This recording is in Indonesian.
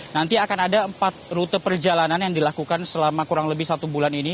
nanti akan ada empat rute perjalanan yang dilakukan selama kurang lebih satu bulan ini